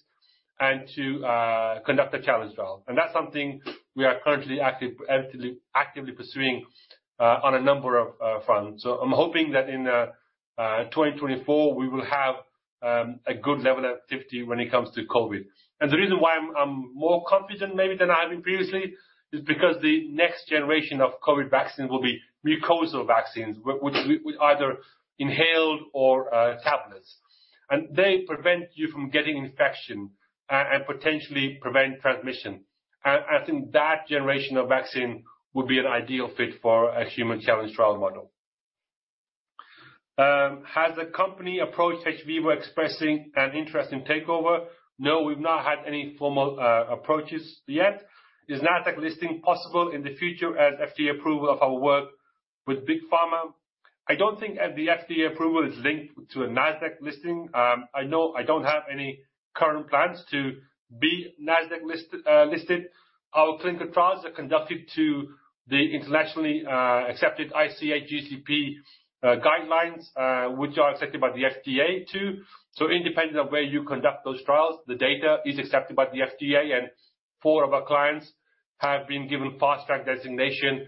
and to conduct a challenge trial. That's something we are currently actively pursuing on a number of fronts. I'm hoping that in 2024, we will have a good level of activity when it comes to COVID. The reason why I'm more confident maybe than I have been previously, is because the next generation of COVID vaccines will be mucosal vaccines, which either inhaled or tablets. They prevent you from getting infection and potentially prevent transmission. I think that generation of vaccine would be an ideal fit for a human challenge trial model. Has the company approached hVIVO expressing an interest in takeover? No, we've not had any formal approaches yet. Is Nasdaq listing possible in the future as FDA approval of our work with Big Pharma? I don't think the FDA approval is linked to a Nasdaq listing. I know I don't have any current plans to be Nasdaq listed. Our clinical trials are conducted to the internationally accepted ICH GCP guidelines, which are accepted by the FDA, too. Independent of where you conduct those trials, the data is accepted by the FDA, and four of our clients have been given Fast Track designation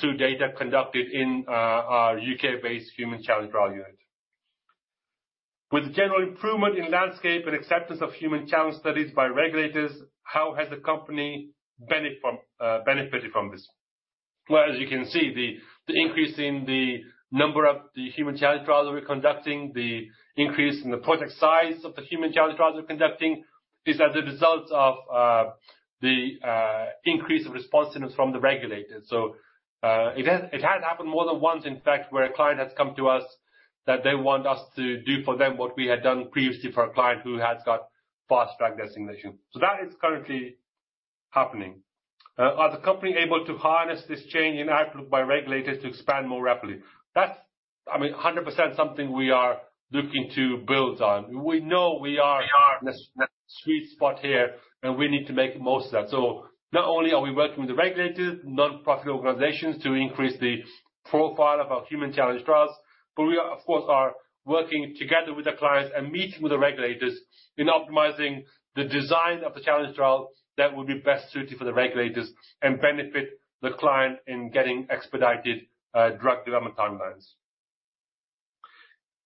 through data conducted in our U.K.-based human challenge trial unit. With the general improvement in landscape and acceptance of human challenge studies by regulators, how has the company benefited from this? Well, as you can see, the increase in the number of the human challenge trials we're conducting, the increase in the project size of the human challenge trials we're conducting, these are the results of the increase of responsiveness from the regulators. It has happened more than once, in fact, where a client has come to us, that they want us to do for them what we had done previously for a client who has got Fast Track designation. That is currently happening. Are the company able to harness this change in outlook by regulators to expand more rapidly? That's, I mean, 100% something we are looking to build on. We know we are in a sweet spot here, and we need to make the most of that. Not only are we working with the regulators, nonprofit organizations, to increase the profile of our human challenge trials, we are, of course, working together with the clients and meeting with the regulators in optimizing the design of the challenge trial that would be best suited for the regulators and benefit the client in getting expedited drug development timelines.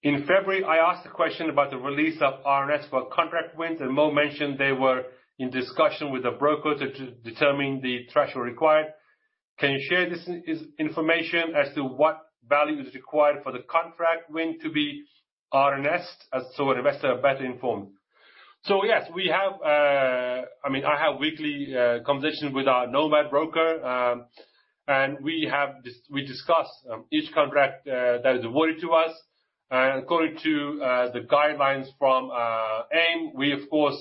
In February, I asked a question about the release of RNS for contract wins, and Mo mentioned they were in discussion with the brokers to determine the threshold required. Can you share this information as to what value is required for the contract win to be announced, so investors are better informed? Yes, we have, I mean, I have weekly conversations with our Nomad broker, and we discuss each contract that is awarded to us. According to the guidelines from AIM, we of course,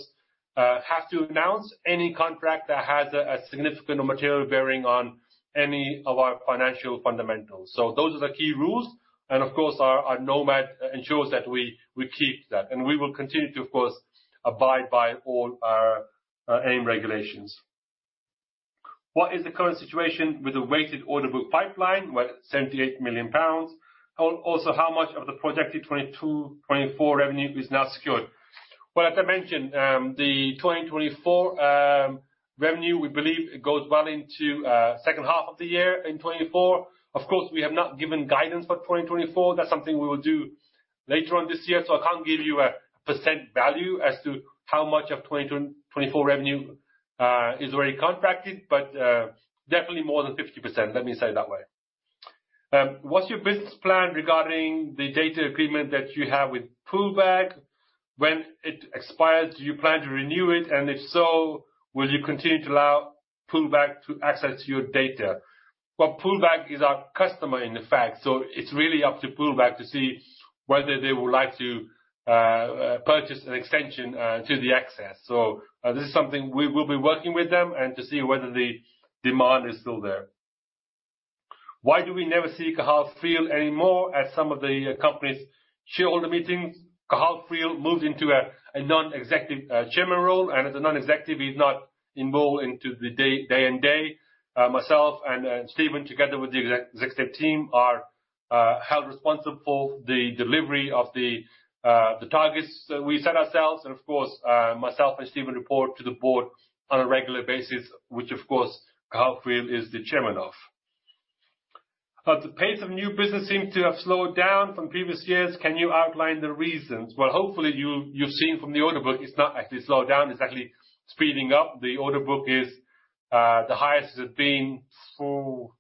have to announce any contract that has a significant or material bearing on any of our financial fundamentals. Those are the key rules, and of course, our Nomad ensures that we keep that. We will continue to, of course, abide by all our AIM regulations. What is the current situation with the weighted order book pipeline, where 78 million pounds? Also, how much of the projected 2022, 2024 revenue is now secured? Well, as I mentioned, the 2024 revenue, we believe, goes well into second half of the year in 2024. Of course, we have not given guidance for 2024. That's something we will do later on this year, so I can't give you a percent value as to how much of 2024 revenue is already contracted, but definitely more than 50%, let me say it that way. What's your business plan regarding the data agreement that you have with Poolbeg? When it expires, do you plan to renew it, and if so, will you continue to allow Poolbeg to access your data? Well, Poolbeg is our customer, in fact, so it's really up to Poolbeg to see whether they would like to purchase an extension to the access. This is something we will be working with them, and to see whether the demand is still there. Why do we never see Cathal Friel anymore at some of the company's shareholder meetings? Cathal Friel moved into a non-executive chairman role. As a non-executive, he's not involved into the day and day. Myself and Stephen, together with the executive team, are held responsible for the delivery of the targets that we set ourselves. Of course, myself and Stephen report to the board on a regular basis, which, of course, Cathal Friel is the Chairman of. The pace of new business seems to have slowed down from previous years. Can you outline the reasons? Well, hopefully, you've seen from the order book, it's not actually slowed down. It's actually speeding up. The order book is the highest it's been for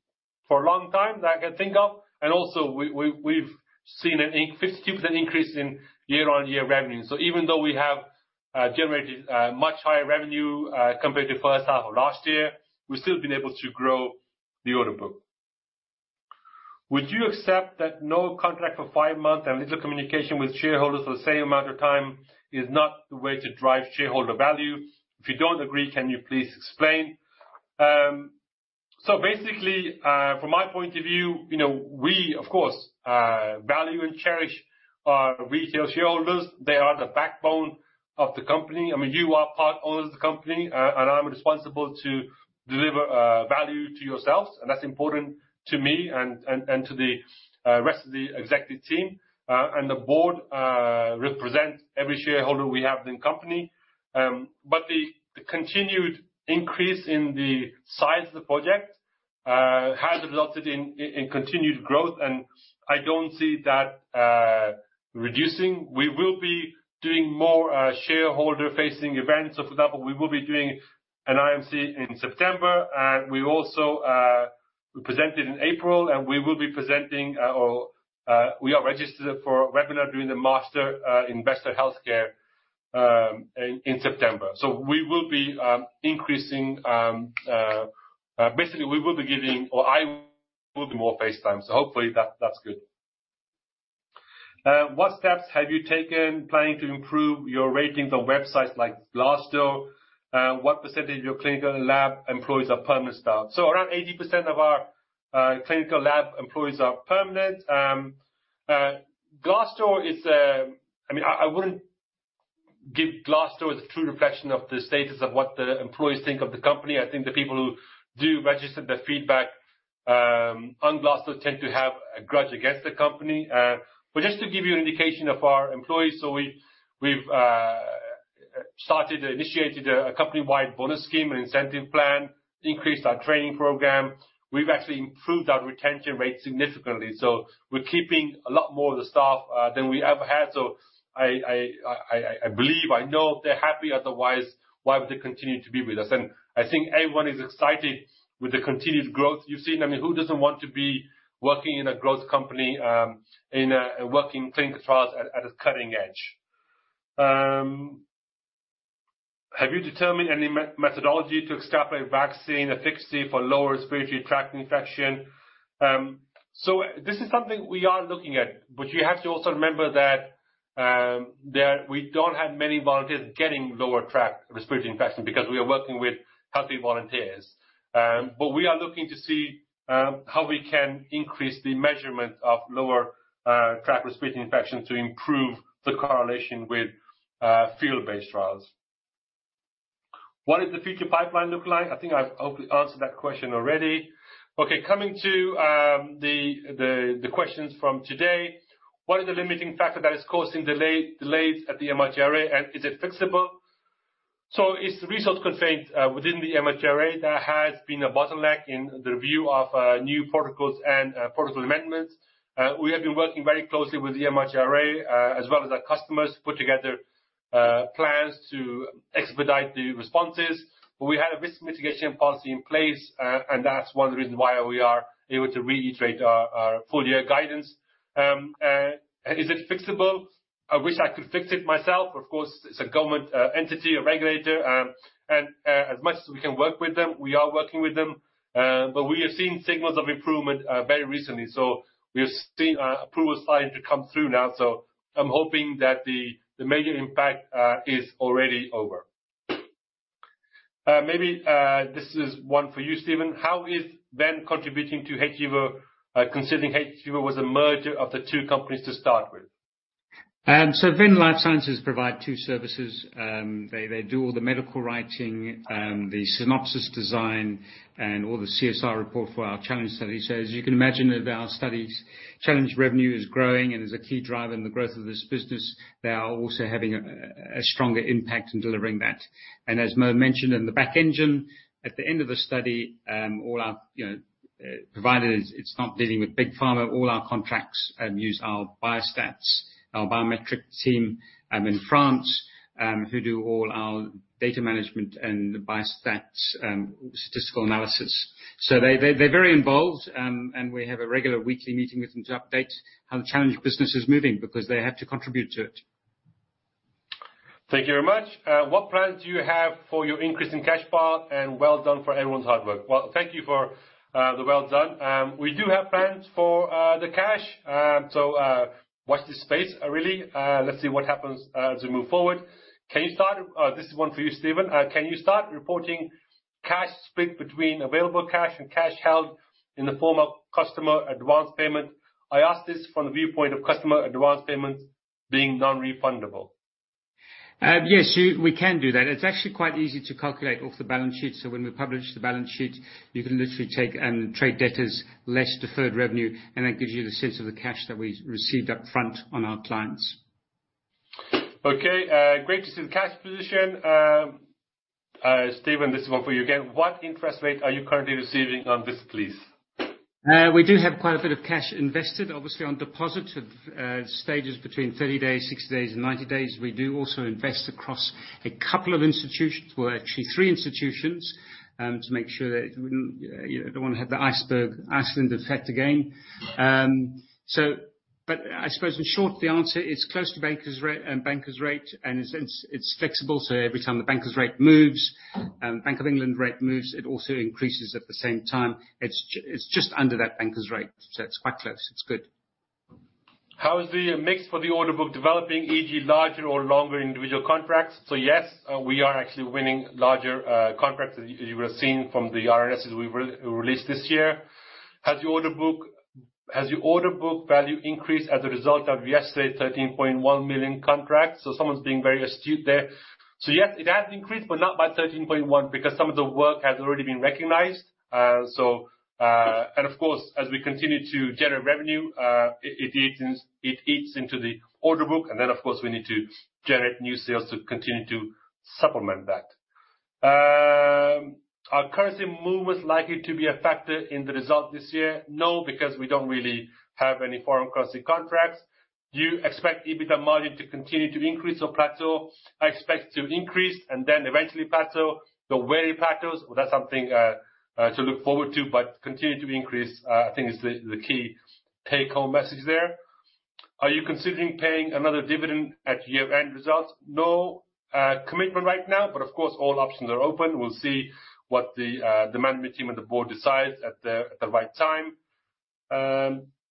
a long time that I can think of. Also, we've seen a 50% increase in year-on-year revenue. Even though we have generated much higher revenue compared to first half of last year, we've still been able to grow the order book. Would you accept that no contract for five months and little communication with shareholders for the same amount of time is not the way to drive shareholder value? If you don't agree, can you please explain? Basically, from my point of view, you know, we, of course, value and cherish our retail shareholders. They are the backbone of the company. I mean, you are part owners of the company, and I'm responsible to deliver value to yourselves, and that's important to me and to the rest of the executive team. The board represents every shareholder we have in the company. The continued increase in the size of the project has resulted in continued growth, and I don't see that reducing. We will be doing more shareholder-facing events. For example, we will be doing an IMC in September, and we also presented in April, and we will be presenting, or we are registered for a webinar during the Master Investor Healthcare in September. We will be increasing, basically, we will be giving, or I will be more FaceTime, so hopefully that's good. What steps have you taken planning to improve your ratings on websites like Glassdoor? What percentage of your clinical lab employees are permanent staff? Around 80% of our clinical lab employees are permanent. Glassdoor is... I mean, I wouldn't give Glassdoor as a true reflection of the status of what the employees think of the company. I think the people who do register their feedback on Glassdoor tend to have a grudge against the company. Just to give you an indication of our employees, we've started, initiated a company-wide bonus scheme and incentive plan, increased our training program. We've actually improved our retention rate significantly, so we're keeping a lot more of the staff than we ever had. I believe, I know they're happy, otherwise, why would they continue to be with us? I think everyone is excited with the continued growth you've seen. I mean, who doesn't want to be working in a growth company, working clinical trials at a cutting edge? Have you determined any methodology to extrapolate vaccine efficacy for lower respiratory tract infection? This is something we are looking at, but you have to also remember that we don't have many volunteers getting lower tract respiratory infection, because we are working with healthy volunteers. We are looking to see how we can increase the measurement of lower tract respiratory infection to improve the correlation with field-based trials. What does the future pipeline look like? I think I've hopefully answered that question already. Coming to the questions from today. What is the limiting factor that is causing delays at the MHRA, and is it fixable? It's resource constraints within the MHRA. There has been a bottleneck in the review of new protocols and protocol amendments. We have been working very closely with the MHRA, as well as our customers, to put together plans to expedite the responses. We had a risk mitigation policy in place, and that's one reason why we are able to reiterate our full year guidance. Is it fixable? I wish I could fix it myself. Of course, it's a government entity, a regulator, and as much as we can work with them, we are working with them, but we are seeing signals of improvement very recently. We are seeing approval starting to come through now, so I'm hoping that the major impact is already over. Maybe, this is one for you, Stephen: How is Venn contributing to hVIVO, considering hVIVO was a merger of the two companies to start with? Venn Life Sciences provide two services. They do all the medical writing, the synopsis design, and all the CSR report for our challenge studies. As you can imagine, with our studies, challenge revenue is growing and is a key driver in the growth of this business. They are also having a stronger impact in delivering that. As Mo mentioned in the back engine, at the end of the study, all our, you know, providers, it's not dealing with Big Pharma, all our contracts use our Biostatistics, our biometric team in France, who do all our data management and Biostatistics, statistical analysis. They're very involved, and we have a regular weekly meeting with them to update how the challenge business is moving, because they have to contribute to it. Thank you very much. What plans do you have for your increase in cash flow? Well done for everyone's hard work. Well, thank you for the well done. We do have plans for the cash. Watch this space, really. Let's see what happens as we move forward. This is one for you, Stephen. Can you start reporting cash split between available cash and cash held in the form of customer advance payment? I ask this from the viewpoint of customer advance payments being non-refundable. Yes, we can do that. It's actually quite easy to calculate off the balance sheet. When we publish the balance sheet, you can literally take trade debtors less deferred revenue. That gives you the sense of the cash that we received up front on our clients. Okay, great to see the cash position. Stephen, this is one for you again. What interest rate are you currently receiving on this, please? We do have quite a bit of cash invested, obviously, on deposit of stages between 30 days, 60 days, and 90 days. We do also invest across a couple of institutions, well, actually three institutions, to make sure that we wouldn't, you know, don't want to have the iceberg, Iceland effect again. I suppose in short, the answer, it's close to bankers rate, and it's flexible, so every time the bankers rate moves, Bank of England rate moves, it also increases at the same time. It's just under that bankers rate, so it's quite close. It's good. How is the mix for the order book developing, e.g. larger or longer individual contracts? Yes, we are actually winning larger contracts, as you would have seen from the RNS that we re-released this year. Has the order book value increased as a result of yesterday's 13.1 million contracts? Someone's being very astute there. Yes, it has increased, but not by 13.1, because some of the work has already been recognized. As we continue to generate revenue, it eats into the order book, and then, of course, we need to generate new sales to continue to supplement that. Are currency movements likely to be a factor in the result this year? No, because we don't really have any foreign currency contracts. Do you expect EBITDA margin to continue to increase or plateau? I expect to increase and then eventually plateau. Where it plateaus, well, that's something to look forward to, but continue to increase, I think is the key take-home message there. Are you considering paying another dividend at year-end results? No, commitment right now, but of course, all options are open. We'll see what the management team and the board decides at the right time.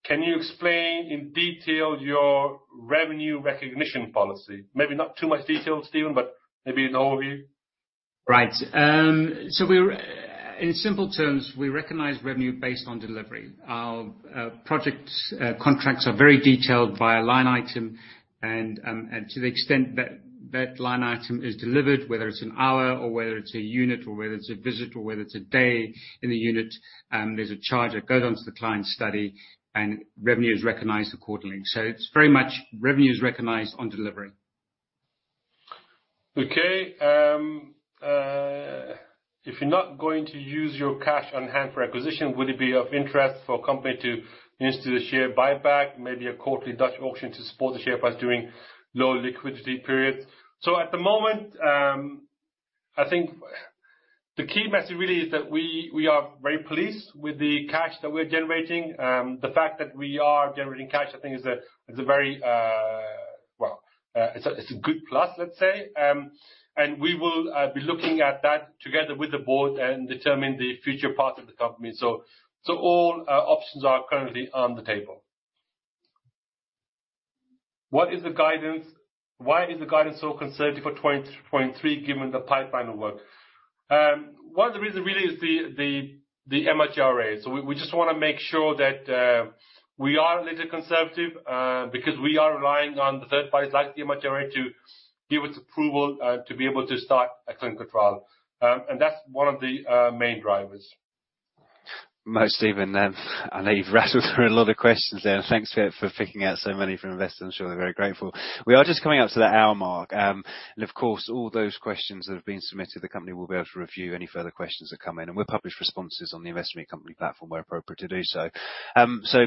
Can you explain in detail your revenue recognition policy? Maybe not too much detail, Stephen, but maybe an overview. Right. In simple terms, we recognize revenue based on delivery. Our projects, contracts are very detailed via line item, and to the extent that that line item is delivered, whether it's an hour or whether it's a unit, or whether it's a visit, or whether it's a day in the unit, there's a charge that goes on to the client study, and revenue is recognized accordingly. It's very much revenue is recognized on delivery. Okay, if you're not going to use your cash on hand for acquisition, would it be of interest for a company to institute a share buyback, maybe a quarterly Dutch auction to support the share price during low liquidity periods? At the moment, I think the key message really is that we are very pleased with the cash that we're generating. The fact that we are generating cash, I think, is a very. Well, it's a good plus, let's say. We will be looking at that together with the board and determine the future path of the company. So all options are currently on the table. Why is the guidance so conservative for 2023, given the pipeline of work? One of the reason really is the MHRA. We just wanna make sure that we are a little conservative because we are relying on the third party, like the MHRA, to give us approval to be able to start a clinical trial. That's one of the main drivers. Mo, Stephen, I know you've rattled through a lot of questions there. Thanks for picking out so many from investors. I'm sure they're very grateful. We are just coming up to the hour mark, and of course, all those questions that have been submitted, the company will be able to review any further questions that come in, and we'll publish responses on the investment company platform, where appropriate to do so.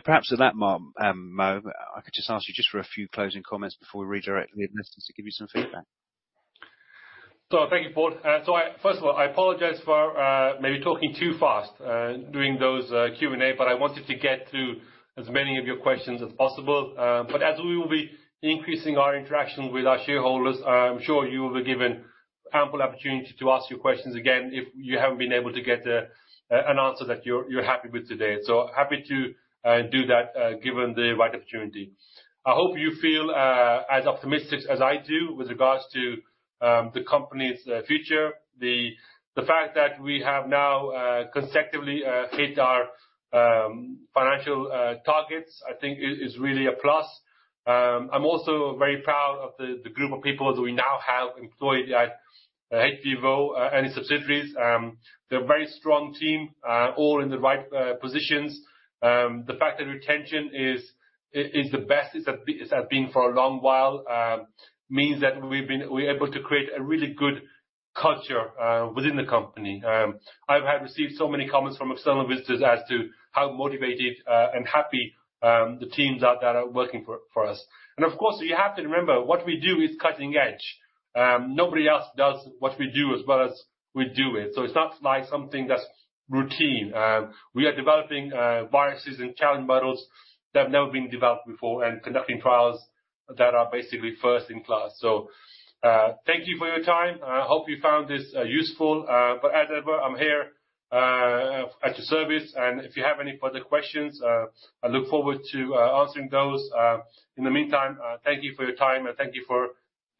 Perhaps at that mark, Mo, I could just ask you just for a few closing comments before we redirect the administrators to give you some feedback. Thank you, Paul. I, first of all, I apologize for maybe talking too fast during those Q&A, but I wanted to get to as many of your questions as possible. As we will be increasing our interaction with our shareholders, I'm sure you will be given ample opportunity to ask your questions again, if you haven't been able to get an answer that you're happy with today. Happy to do that given the right opportunity. I hope you feel as optimistic as I do with regards to the company's future. The fact that we have now consecutively hit our financial targets, I think is really a plus. I'm also very proud of the group of people that we now have employed at hVIVO and its subsidiaries. They're a very strong team, all in the right positions. The fact that retention is the best it has been for a long while, means that we're able to create a really good culture within the company. I've had received so many comments from external visitors as to how motivated and happy the teams are that are working for us. Of course, you have to remember, what we do is cutting edge. Nobody else does what we do as well as we do it's not like something that's routine. We are developing viruses and challenge models that have never been developed before, and conducting trials that are basically first in class. Thank you for your time. I hope you found this useful, but as ever, I'm here at your service, and if you have any further questions, I look forward to answering those. In the meantime, thank you for your time, and thank you for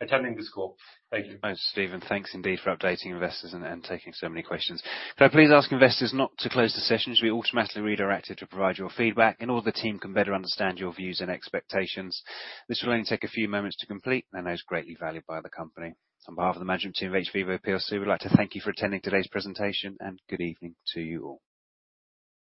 attending this call. Thank you. Thanks, Stephen. Thanks indeed for updating investors and taking so many questions. Can I please ask investors not to close the session, as you'll be automatically redirected to provide your feedback, and all the team can better understand your views and expectations. This will only take a few moments to complete, and is greatly valued by the company. On behalf of the management team of hVIVO PLC, we'd like to thank you for attending today's presentation, and good evening to you all.